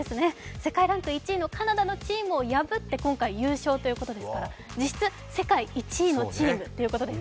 世界ランク１位のカナダのチームを破って今回、優勝ということですから、実質世界１位のチームということです